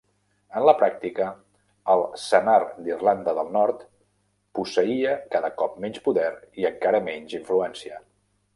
En la pràctica, el Senar d'Irlanda del Nord posseïa cada cop menys poder i encara menys influència.